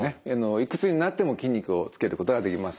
いくつになっても筋肉をつけることができます。